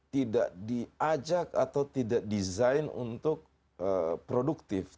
tidak diajak atau tidak design untuk produktif